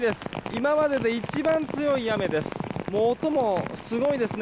今までで一番強い雨です。